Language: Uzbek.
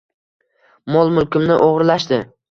Mol-mulkimni o’g’irlashdi.